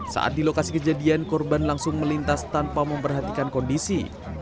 saat di lokasi kejadian korban langsung melintas tanpa memperhatikan kondisi